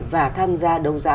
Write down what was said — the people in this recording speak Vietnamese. và tham gia đấu giá